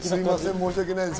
申しわけないです。